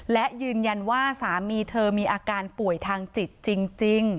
และยืนยันว่าสามีเธอมีอาการป่วยทางจิตจริง